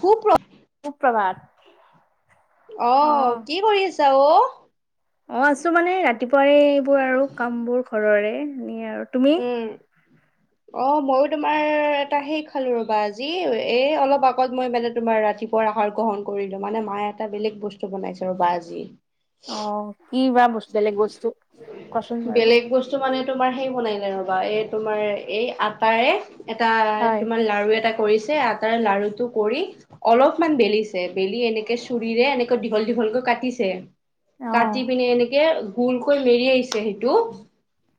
শুপ্ৰ- সুপ্ৰভাত। অ' কি কৰি আছা অ'? অ' আছোঁ মানে ৰাতিপুৱাৰে এইবোৰ আৰু কামবোৰ ঘৰৰে, এনে আৰু। তুমি? উম। অ' মইও তোমাৰ এটা সেই খালো ৰবা আজি, এ অলপ আগত মই মানে তোমাৰ ৰাতি পুৱাৰ আহাৰ গ্ৰহণ কৰিলোঁ, মানে মায়ে এটা বেলেগ বস্তু বনাইছে ৰ'বা আজি। কিবা বস্তু- বেলেগ বস্তু? কোৱাচোন বাৰু। বেলেগ বস্তু মানে তোমাৰ সেই বনাই নে ৰবা, এই তোমাৰ এই আটাৰে এটা হয়। তোমাৰ লাৰু এটা কৰিছে, আটাৰ লাৰুটো কৰি অলপমান বেলিছে। ‌বেলি এনেকে চুৰিৰে এনেকৈ দীঘল - দীঘলকৈ কাটিছে। অ', কাটিপিনে এনেকে গোল কৈ মেৰিয়াইছে সেইটো।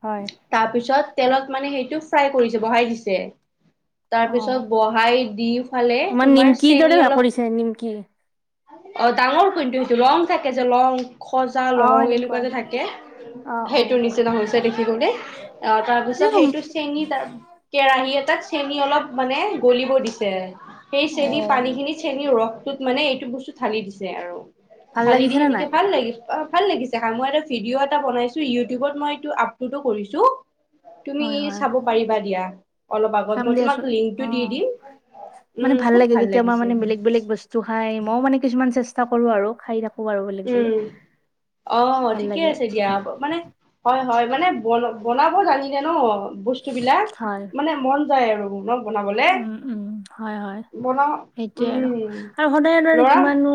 হয়। তাৰ পিছত তেলত মানে সেইটো ফ্ৰাই কৰিছে, বহাই দিছে। তাৰপিছত অ', বহাই দি ফালে আমাৰ তোমাৰ নিমকিৰ দৰে চেনী কৰিছে নিমকি। অলপ অ' ডাঙৰ কুইন্তু সেইটো, লং থাকে যে লং, খজা অ', লং এনে এনেকুৱা থাকে, অ', অ'। সেইটোৰ নিচিনা হৈছে দেখিবলে। অ' তাৰপিছত সেইটো চে চেনি তাৰ- কেৰাহি এটাত চেনি অলপ মানে গলিব দিছে। সেই অ', চেনীপানীখিনিত চেনীৰ ৰসটোত মানে এইটো বস্তু ঢালি দিছে আৰু। ভাল ঢালি দি লাগিছে নে সেনেকে নাই? ভাল লাগি- ভাল লাগিছ দেখাম, মই এটা ভিডিঅ এটা বনাইছো। ইউটিউবত মই ইটো আপলোডো কৰিছোঁ। তুমি হয়, হয়, চাব পাৰিবা দিয়া। অলপ আগত, চাম মই তোমাক দিয়াচোন। লিংকটো দি অ', দিম। উম, খুব ভাল লাগিছে। চোহাই মইও মানে কিছুমান চেষ্টা কৰোঁ আৰু, খাই থা উম। অ', ভাল ঠিকে লাগে। আছে দিয়া। মানে হয় - হয় মানে বন- বনাব জানিলে ন' বস্তুবিলাক হয়, মানে মন যায় আৰু ন' বনাবলে। উম, উম, হয় - হয়। বনাও সেইটোৱে আৰু। উম আৰু সদায় এইদৰে লৰা কিমাননো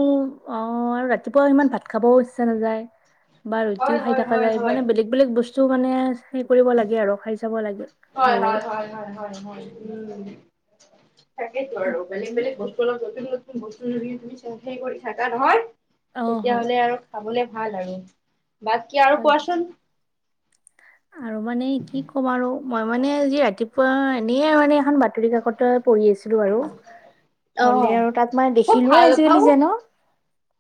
অ' আৰু ৰাতিপুৱা ইমান ভাত খাবও ইচ্ছা নাযায়। বা ৰুটিও হয় খাই হয় থকা হয় হয় যায়। হয় মানে বেলেগ বেলেগ বস্তু মানে হেৰি কৰিব লাগে আৰু খাই চাব লাগে ভাল হয় - লাগে হয় - হয় - হয় - হয় - হয়, উম। তাকেতো আৰু বেলেগ - বেলেগ বস্তু অলপ নতুন - নতুন বস্তু যদি তুমি সেই কৰি থাকা নহয়, অ হয় তেতিয়াহ'লে আৰু খাবলে ভাল আৰু। বাকী আৰু ভাল কোৱাচোন আৰু মানে কি ক'ম আৰু, মই মানে আজি ৰাতিপুৱা এনেই মানে এখন বাত বতৰি কাকতে পঢ়ি আছিলোঁ আৰু। হলে অ', আৰু তাত মানে খুব দেখিলোয়ে ভাল আজিকালি অভ্যাস যে ন'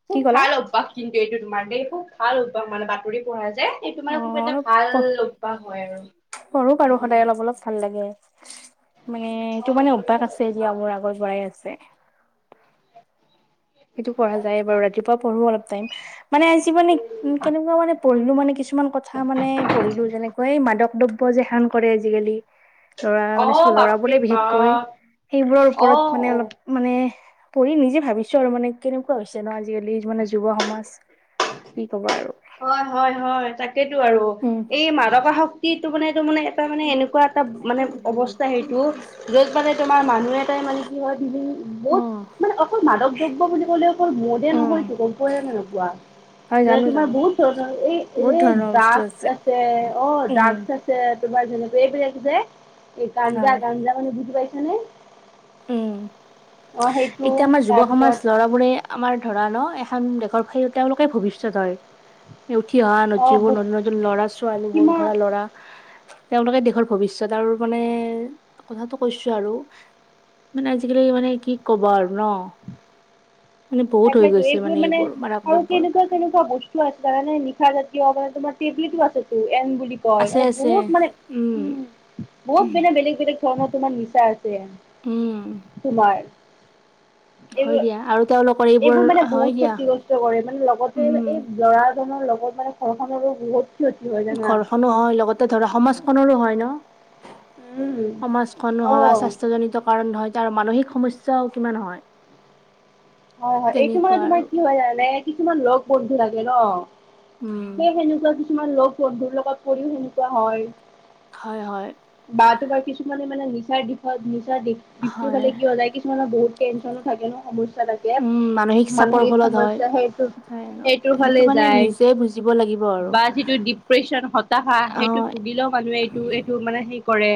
খুব কি কলা? ভাল অভ্যাস কিন্তু এইটো তোমাৰ দেই খুব ভাল উপহাৰ মানে বাতৰি পঢ়া যে। এইটো অ মানে খুব এটা অলপ ভাল পঢ়ো অভ্যাস হয় আৰু বাৰু সদায় হম, অলপ অলপ ভাল লাগে মানে এইটো মানে অভ্যাস আছে যি আগৰ- আগৰ পৰাই আছে। সেইটো পঢ়া যায় বাৰু ৰাতিপুৱা পঢ়ো অলপ টাইম। মানে আজি মানে কেনেকুৱা মানে পঢ়িলোঁ মানে কিছুমান কথা মানে পঢ়িলোঁ যেনেকৈ এই মাদক দৱ দ্ৰব্য যে সেৱন কৰে আজিকালি লৰা মানে অ', বাপৰে লৰাবোৰে বিশেষকৈ বাপ সেইবোৰৰ ওপৰত মানে অ', অলপ মানে পঢ়ি নিজে ভাবিছ ছো আৰু মানে কেনেকুৱা হৈছে ন' আজিকালি মানে যুৱ সমাজ কি কবা আৰু। অ, হয়-হয় তাকেইেটো আৰু উম এই মাদৱা শক্তিটো মানে এইটো মানে এটা মানে এনেকুৱা এটা মানে অৱস্থা সেইটো য'ত মানে তোমাৰ মানুহ এটাই মানে কি হয় মোদ অ', মানে অকল মাদক দ্ৰব্য বুলি ক'লে অকল মদে উম নহয়টো গম পোৱা নে নোপোৱা? হয় মানে তোমাৰ জানো-জানো। বহুত ধৰনৰ এই এ ড্ৰাগছ আছে, অ, উম ড্ৰাগছ ছে তোমাৰ যেনেকে এইবিলাক যে এই হয় গাঞ্জা- গাঞ্জা মানে বুজি পাইছা নে? উম, এতিয়া আমাৰ যুৱ তাৰপিছত সমাজ লৰা বোৰে আমাৰ ধৰা ন' এখন দেশৰ সেই তেওঁলোকে ভৱিষ্যত হয়। হে উঠি অহা যি অ নদীবোৰ বহু- নতন -নতুন ল'ৰা- ছোৱালীবোৰ কিমান ধৰা ল'ৰা তেওঁলোকে দেশৰ ভৱিষ্যত আৰু মানে কথাটো কৈছো আৰু মানে আজিকালি মানে কি ক'বা আৰু ন' মানে বহুত হৈ গৈছে মানে এইবোৰ মাদক দ্ৰব্যৰ। তেনেকুৱা বস্তু আছে মানে‌ তাৰে নিশা জাতীয় মানে তোমাৰ টেবলেটো আছে এন বুলি কয় আছে [unintelligible] আছে বহুত মানে উম বহুত মানে বেলেগ -বেলেগ ধৰণৰ তোমাৰ নিছা আছে। উম, তোমাৰ। হয় এইবোৰ দিয়া আৰুটো এইবোৰ মানে বহুত ক্ষতিগ্ৰস্ত কৰে মানে লগতে উম এই ল'ৰাজনৰ লগত মানে ঘৰখনৰো বহুত ক্ষতি হয় জানা। ঘৰখনো হয় লগতে ধৰা সমাজখনৰো হয় উম, ন'। সমাজখনো হয় বা অ', স্বাস্থ্যজনিত কাৰণ নহয় তাৰ মানসিক সমস্যাও কিমান হয়। হয়-হয় এইটো মানে তেনেকুৱা আৰু তোমাৰ কি হয় জানানে কিছুমান লগ বন্ধু লাগে ন'। উম সেই সেনেকুৱা কিছুমান লগ বন্ধুৰ লগত পৰিও সেনেকোৱা হয়। হয়-হয় বা তোমাৰ কিছুমানে মানে নিচাৰ দিশত নিচাৰ দি-দিশটোৰ হয় ফালে কিয় যায় কিছুমানৰ বহুত টেনচন থাকে ন, সমস্যা থাকে। উম চাপৰ মানসিক ফলত হয় সমস্যা সেইটো হয় আৰু -সেইটোৰ সেইটো ফালে মানে যায় নিজে বুজিব লাগিব আৰু বাট যিটো ডিপ্ৰেচন হতাশা অ সেইটো ভুগিলেও মানুহে এইটো -এইটো মানে হেই কৰে।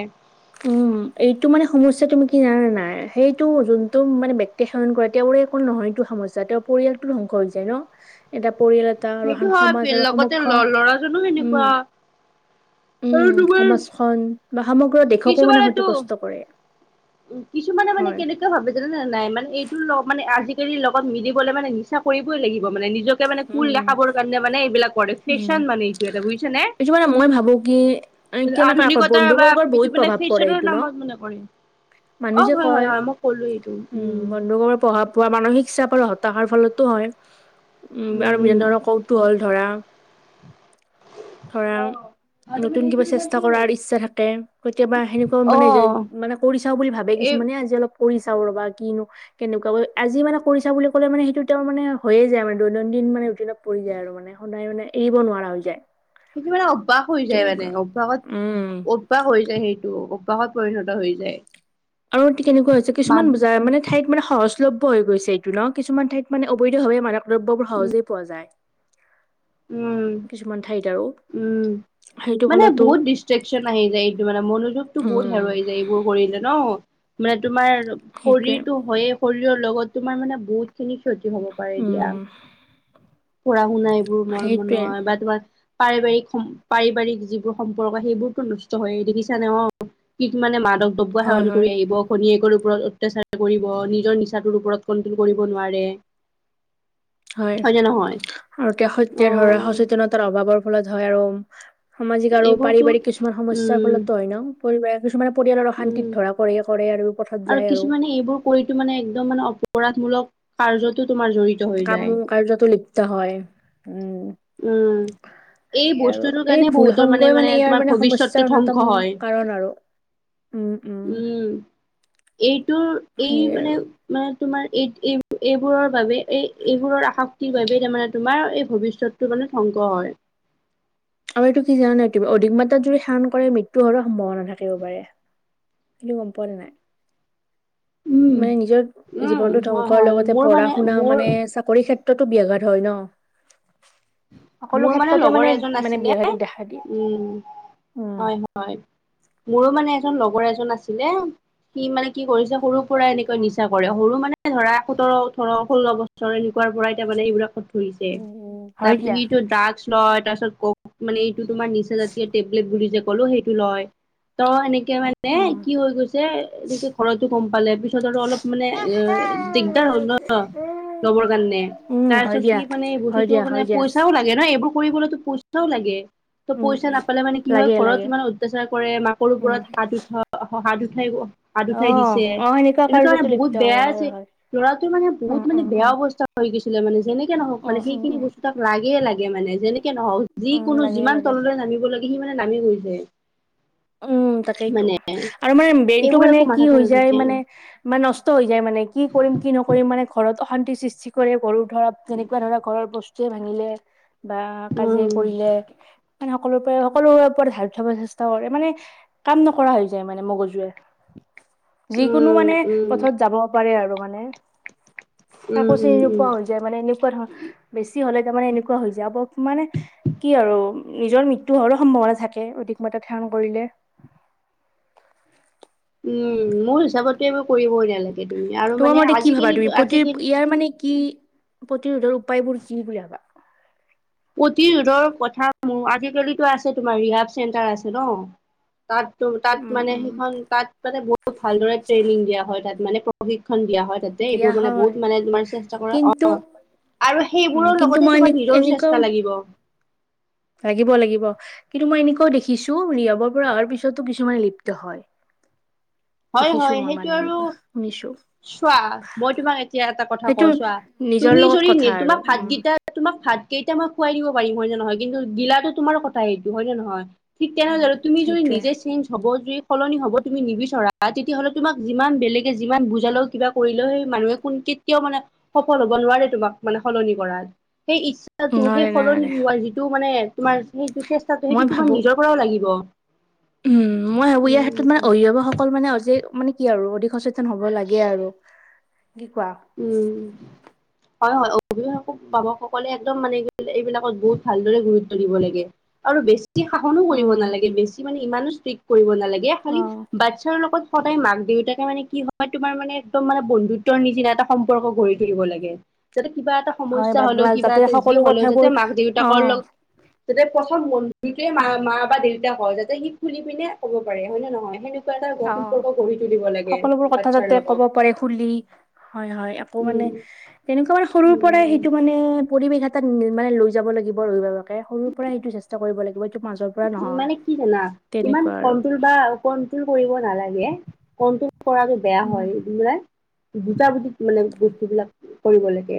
উম [inaudible] এইটো মানে সমস্যা তুমি কি জানা নে নাই সেইটো যোনটো মানে ব্যক্তি সেৱন কৰে তেওঁ তেওঁৰে একো নহয়টো এইটো সমস্যা। স্যা তেওঁৰ পৰিয়ালটো ধ্বংস হৈ যায় ন'এটা পৰিয়ালত তা আৰু সেইটো আখান হয় সমাজৰো লগতে সমক্ষ ল'ৰাজনো উম, সেনেকুৱা আৰু উম, তোমাৰ সমাজখন বা সমগ্ৰ দেশকো মানে কিছুমানেতো ক্ষতিগ্ৰস্ত কৰে। কিছুমানে মানে হয় কেনে কুৱা ভাবে জানে নে নাই মানে এইটো ল' মানে আজিকালিৰ লগত মিলিবলৈ মানে নিচা কৰিবই লাগিব মানে নিজক [unintelligible] মানে কুল উম দেখাবৰ কাৰণে মানে এইবিলাক কৰে উম ফেশ্বন মানে এইটো এটা বুজিছে নে? এইটো মানে মই ভাবো কি এ, [unintelligible] কেনেকুৱা কয় আধুনিকতা বা বন্ধুবৰ্গৰ বহুত এইটো মানে প্ৰভাৱ পৰে ফেশ্বনৰ এইটো ন নামত মানে কৰে। অ, মানুহ হয়-হয়-হয় মই ক'লো এইটো উম, মানুহৰ প্ৰভাৱ পোৱা মানসিক চাপ আৰু হতাশাৰ ফলতো হয়। উম, আৰু বিভিন্ন ধৰণৰ কৌতুহল ধৰা-ধৰা অ আৰু তোমাৰ নতুন এইটো কিবা তোমাৰ চেষ্টা কি হয় কৰাৰ ইচ্ছা থাকে কেতিয়াবা সেনেকোৱাও অ মানে যেই মানে কৰি চাও বুলি ভাবে এই কিছুমানে আজি অলপ কৰি চাও ৰ'বা কিনো কেনেকুৱা আজি মানে কৰি চাও বুলি ক'লে মানে সেইটো তেওঁ মানে হয়য়ে যায় মানে। দৈনন্দিন মানে ৰোটিনত পৰি যায় আৰু মানে সদায় মানে এৰিব নোৱাৰা হৈ যায়। সেতু মানে অভ্যাস হৈ যায় মানে তেনেকুৱা অভ্যাসত উম অভ্যাস হৈ যায় সেইটো অব্যাহত পৰিণত হৈ যায়। আৰু ইতি কেনেকুৱা হৈছে কিছুমান মানুহ যাৰ মানে ঠাইত মানে সহজলভ্য হৈ গৈছে এইটো ন' কিছুমান ঠাইত মানে অবৈধভাৱে মাদক দ্ৰব্যবোৰ সহজেই পোৱা যায়। কিছুমান ঠাইত আৰু উম-উম সেইটো মানে ফলতো বহুত ডিষ্ট্ৰেকচন আহি যায় এইটো মানে মনোযোগতো বহুত উম হেৰুৱাই যায় এইবোৰ। ভৰিলে ন'মানে তোমাৰ সেইটোৱে শৰীৰটো হয়ে শৰীৰৰ লগত তোমাৰ মানে বহুত খিনি হব পাৰে দিয়া উম পঢ়া-শুনা এইবোৰ মৰ সেইটোৱে মনোৱা বা তোমাৰ পাৰিবাৰিক সম পাৰিবাৰিক যিবোৰ সম্পৰ্ক সেইবোৰতো নষ্ট হয়ে দেখিছা নে অ, কিক মানে মাদক দ্ৰব্য হয় সেৱন হয় কৰি আহিব ভনীয়েকৰ ওপৰত অত্যাচাৰ কৰিব নিজৰ নিচাটোৰ ওপৰত কন্ট্ৰল কৰিব নোৱাৰে। হয় নে নহয় আৰু কে সত্যে অ ধৰা সচেতনতাৰ অভাৱৰ ফলত হয় আৰু সামাজিক আৰু এইবোৰতো পাৰিবাৰিক কিছুমান সমস্যাৰ উম ফলতো হয় ন' পৰিবাৰে কিছুমানে পৰিয়ালৰ উম অশান্তিত ধৰা পৰে কৰে আৰু পথত আৰু যায় কিছুমানে এইবোৰ কৰিতো মানে একদম মানে অপৰাধমূলক কাৰ্যতো তোমাৰ জড়ি কামো কাৰ্য্যতো লিপ্ত হয় উম, উম, এই সেয়ে আৰু বস্তুটোৰ এই কাৰণে ভুল বহুতৰ সংগই মানে ইয়াৰ তোমাৰ মানে ভৱিষ্যতটো সমস্যাৰ ধ্বংস উন্য়তম হয়। কাৰণ আৰু। উম- উম এইটোৰ এই সেইয়ে মানে আৰু। মানে তোমাৰ এই- এই -এইবোৰৰ বাবে এই এইবোৰৰ আসক্তিৰ বাবেই তাৰমানে তোমাৰ এই ভৱিষ্যত টো মানে ধ্বংস হয়। আৰু এইটো কি জানা নাই তমি অধিক মাত্ৰাত যদি সেৱণ কৰে মৃত্যু হোৱাৰো সম্ভাৱনা থাকিব পাৰে। তুমি গম পোৱা নে নাই? উম, মানে নিজৰ উম, জীৱনতো হয় ধ্বংস হয় লগতে মোৰ পঢ়া মানে - শুনাওঁ মোৰ মানে চাকৰি ক্ষেত ক্ষেত্ৰতো বিয়াঘাত হয় ন' মোৰ সকলো ক্ষেত্ৰতে লগৰ মানে এজন -মানে আছিলে বিয়াঘাতো দেখা দিয়ে। উম, উম। হয়-হয়। হয় মোৰো মানে এজন লগৰ এজন আছিলে সি মানে কি কৰিছে সৰু পৰাই এনেকৈ উম, নিচা কৰে সৰু মানে এ ধৰা সোতৰ, ওঠৰ, ষোল্ল বছৰ এনেকুৱাৰ পৰাই তাৰমানে এইবিলাকত ঘূহিছে উম, হয় তাৰপিছত দিয়া। সিটো ড্ৰাগছ লয় তাৰপিছত ক'ক মানে অ, নিচা জাতীয় টেবলেট বুলি যে ক'লো সেইটো লয় ত'এনেকে মান উম। [unintelligible] কি হৈ গৈছে এনেকে ঘৰটো গম পালে পিছত আৰু অলপ মানে এ দিগদাৰ হল ন' অ, ল'বৰ কাৰণে উম, তাৰ হয় পিছত সি দিয়া, মানে এই হয় বস্তুটো দিয়া, মানে হয় দিয়া। পইচা পইচাও লাগে না এইবোৰ কৰিবলৈতো পইচাও লাগে। ত' উম, পইচা উম, নাপালে মানে কি হয় লাগে ঘৰত লাগে। ইমান অত্যাচাৰ কৰে মাকৰ উম, ওপৰত হাত উঠা অ, হ-হাত উঠাইব। হাত উঠাই অ', দিছে অ', সেনেকুৱা এনেকুৱা মানে কাৰ্যতো বহুত লিপ্ত বেয়া হয়, হয়, আছে হয়। লৰাটোৰ মানে বহুত উম, মানে উম, বেয়া উম, অৱস্থা হৈ গৈছিলে মানে যেনেকে নহওক উম, মানে উম, সেইখিনি উম। বস্তু তাক লাগে- লাগে মানে যেনেকে নহওক যি উম কোনো লাগে লাগে এ নামিব লাগে সি মানে নামি বহি যায়। উম, তাকেইতো আৰু মানে ব্ৰেইনটো এইবোৰ মানে একো কি মাথাতে হৈ যায় নাথাকে মানে -মানে নচ ষ্ট হৈ যায় মানে কি কৰিম কি নকৰিম মানে ঘৰত অশান্তি সৃষ্টি কৰে গৰু ধৰপ যেনেকুৱা ধৰা ঘৰৰ বস্তুৱে ভাঙিলে বা কাজিয়া উম কৰিলে মানে সকলোৰে পৰা সকলোৰে ওপৰত হাত উঠাব চেষ্টা কৰে মানে কাম নকৰা হৈ যায় মানে মগজুৱে যিকোনো উম মানে উম উম পথত যাব পাৰে আৰু মানে কাকো উম চিনি উম উম নোপোৱা হৈ যায় মানে এনেকোৱা ধৰ বেছি হ'লে তাৰমানে এনেকোৱা হৈ যাব মানে কি আৰু নিজৰ মৃত্যু হোৱাৰো সম্ভাৱনা থাকে অধিক মাত্ৰাত সেৱন কৰিলে উম মোৰ হিচাপতে এইবোৰ কৰিবই নালাগে তুমি আৰু তোমাৰ মানে মতে কি ভাবা আজিকালি তুমি প্ৰতি আজিকালি ইয়াৰ মানে কি প্ৰতিৰোধৰ উপায়বোৰ কি বুলি ভাবা প্ৰতিৰোধৰ কথা মোৰ আজিকালিতো আছে তোমাৰ ৰিহাব চেণ্টাৰ আছে ন তাত তো তাত উম, মানে উম, সেইখন তাত মানে বহুত ভালদৰে ট্ৰেইনিং দিয়া হয় তাত মানে প্ৰশিক্ষণ দিয়া হয় তাতে দিয়া এইবোৰ মানে হয় বহুত মানে তোমাৰ চেষ্টা কৰে অ কিন্তু আৰু উম, সেইবোৰৰ কিন্তু লগতে মই তোমাৰ এনে নিজৰো এনেকুৱাও চেষ্টা লাগিব লাগিব লাগিব কিন্তু মই এনেকোৱাও দেখিছো, ৰিহেবৰ পৰা অহাৰ পিছতো কিছুমানে লিপ্ত হয় [inaudible] দেখিছো মই সেইটো মানে আৰু এনেকোৱা শুনিছো। চোৱা মই তোমাক এতিয়া এটা কথা সেইটো কও চোৱা নিজৰ তুমি লগত যদি নি কথা আৰু তোমাক উম, ভাতকেইটা তোমাক ভাত কেইটা মই খুৱাই দিব পাৰিম হয় নে নহয় কিন্তু গিলাতো তোমাৰ কথা সেইটো হয় নে নহয় ঠিক তেনেহলে উম, আৰু তুমি যদি সেইটোয়ে নিজে চেঞ্জ হব যদি সলনি হ'ব তুমি নিবিচৰা বা তেতিয়াহ'লে তোমাক যিমান বেলেগে যিমান বুজালেও কিবা কৰিলে সেই মানুহে কোন কেতিয়াও মানে সফল হ'ব নোৱাৰে তোমাক মানে সলনি কৰাত সেই ইচ্ছা টো সেই নোৱাৰে সলনি নোৱাৰে হোৱা যিটো মানে তোমাৰ সেইটো চেষ্টাটো সেইটো মই তোমাৰ ভাবো নিজৰ পৰাও লাগিব উম মই ভাবো ইয়াৰ উম ক্ষেত্ৰত মানে অভিভাৱক স কল মানে অধি মানে কি আৰু অধিক সচেতন হব লাগে আৰু কি কোৱা উম হয় হয় অভিভাৱক ভাৱকসকলে একদম মানে এই এইবিলাকত বহুত ভালদৰে গুৰুত্ব দিব লাগে আৰু বে ছি শাসনো কৰিব উম, নালাগে বেছি মানে ইমানো ষ্ট্ৰিক্ট কৰিব নালাগে খালি অ'। বাচ্ছা ৰ লগত সদায় মাক দেউতাকে মানে কি হয় তোমাৰ মানে একদম মানে বন্ধুত্বৰ নিচিনা এটা সম্পৰ্ক গঢ়ি তুলিব লাগে যাতে কিবা এটা হয় সমস্যা বা হ'লেও বা কিবা যাতে এটা যি সকলো হ'লেও যাতে কথাবোৰ মাক দেউতাকৰ অ', লগ যাতে প্ৰথম বন্ধুটোৱে মা, মা বা দেউতা হয় যাতে সি খুলি পিনে ক'ব পাৰে হয় নে নহয় সেনে অ' সকলোবোৰ কথা বাচ্ছাৰ যাতে লগত ক'ব পাৰে খুলি। হয় হয়, আকৌ মানে উম তেনেকোৱা মানে সৰুৰ পৰাই উম সেইটো মানে পৰিৱেশ এটাত মানে লৈ যাব লাগিব, সৰুৰ পৰাই সেইটো চেষ্টা কৰিব লাগিব এইটো মাজৰ পৰা উম, নহয় মানে কি জানা ইমান তেনেকুৱা আৰু কন্ট্ৰল বা কন্ট্ৰল কৰিব নালাগে, কন্ট্ৰল কৰাটো বেয়া উম, হয় বোলে বুজা বুজিত মানে বস্তুবিলাক কৰিব লাগে,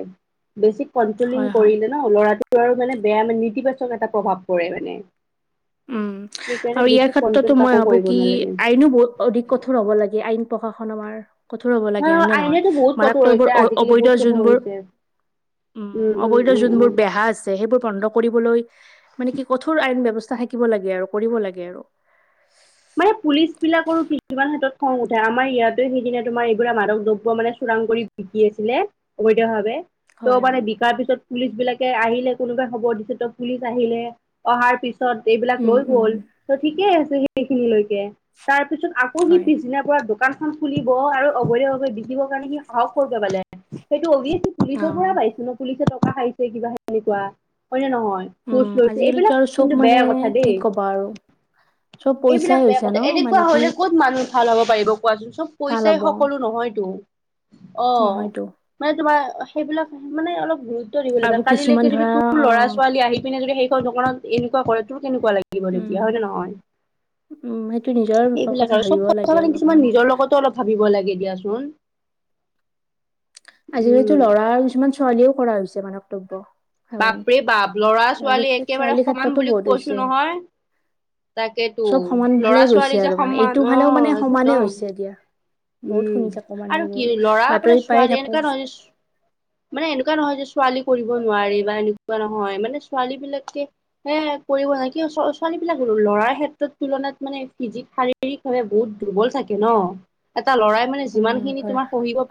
বেছি কন্ট্ৰলিং হয়, হয় কৰিলে ল'ৰাটো আৰু মানে বেয়া মানে নেতিবাচক এটা প্ৰভাৱ পৰে মানে। উম, সেইকাৰণে আৰু বেছি ইয়াৰ ক্ষেত্ৰতো কন্ট্ৰল মই কাকো ভাবো কৰিব কি নালাগে আইনো বহুত অধিক কঠোৰ হ'ব লাগে আইন প্ৰশাসন আমাৰ কঠোৰ হব অ লাগে আৰু নে নহয়, আইনেতো বহুত কঠোৰ মাৰাত্মবোৰ হৈছে অ আজিকালি অবৈধ বহুত কঠোৰ যোনবোৰ হৈছে উম, অবৈধ যোনবোৰ বেহা আছে সেইবোৰ বন্ধ কৰিবলৈ মানে কি কঠোৰ আইন ব্যৱস্থা থাকিব লাগে আৰু কৰিব লাগে আৰু। মানে পুলিচ বিলাকৰো কিছুমান ক্ষেত্ৰত খং উঠে আমাৰ ইয়াতে সেইদিনে তোমাৰ এইবিলাক মাদক দ্ৰব্য মানে চোৰাং কৰি বিক্ৰী আছিলে অবৈধ ভাৱে। ত' হয় মানে হয় বিকাৰ পিছত পুলিচ বিলাকে আহিলে কোনোবাই খবৰ দিছে ত' পুলিচ আহিলে অহাৰ পিছ ত এইবিলাক উম লৈ উম গল, ত' ঠিকে আছে সেইখিনিলৈকে তাৰ পিছত আকৌ সি হয় পিছদিনা পুৱা দোকানখন খুলিব আৰু অবৈধ ভাৱে বিকিবৰ কাৰণে সি সাহস ক'ৰ পালে সেইটো অভিয়েচ অ পুলিচৰ পৰা পাইছে ন, পুলিচে টকা খাইছে কিবা সেনেকোৱা হয় নে নহয়? উম ঘোচ লৈছে এইবিলাক কিন্তু বেয়া কথা দেই। বাৰু এইবিলাক বেয়া কথা এনেকুৱা মানে কি হলে ক'ত মানুহ ভাল হ'ব পাৰিব কোৱাচোন, চব ভাল পইচাই হ'ব সকলো নহয়তো অ। নহয়তো মানে তোমাৰ সেইবিলাক মানে অলপ গুৰুত ত দিব লাগে আৰু কিছুমান কালিলৈকে যদি ধৰা তোৰ অ ল'ৰা - ছোৱালী আহি পিনে যদি সেইখন দোকানত এনেকুৱা কৰে তোৰ কেনেকুৱা লা লাগিব তেতিয়া উম হয় নে নহয়? উম, সেইটো নিজৰ সেইবিলাক কথা আৰু ভাবিব চব কথা লাগে মানে অলপ কিছুমান নিজৰ লগতো অলপ ভাবিব লাগে দিয়াচোন। আজিকালিতো উম ল'ৰা কিছুমান ছোৱালীও কৰা হৈছে মানক্তব্য। বাপৰে বাপ! লৰা - ছোৱালী একেবাৰে ছোৱালীৰ সমান ক্ষেত্ৰতো বুলি বহুত কৈছো হৈছে নহয়। তাকেইেতো চব সমান ভালে ল'ৰা - গৈছে ছোৱালী যে আৰু মানে এইটো সন্মান ফালেও আহ মানে সমানে একদম। হৈছে দিয়া বহুত উম, শুনি থাকো মানে আৰু এইবোৰ কি ল'ৰাপোনাৰ বাতৰিত পায়ে ছোৱালী থাকো এনেকুৱা নহয় যে ছোঁ মানে এনেকুৱা নহয় যে ছোৱালী কৰিব নোৱাৰে বা, এনেকুৱা নহয় মানে ছোৱালীবিলাকে এ কৰিব নোৱাৰি কিয় ছোঁ ছোৱালীবিলাক হ লৰাৰ ক্ষেত্ৰত তুলনাত মানে ফিজিক শা ৰীৰিক ভাৱে বহুত দুৰ্বল থাকে ন, এটা লৰাই মানে উম যিমানখিনি হয়। তোমাৰ শৰীৰত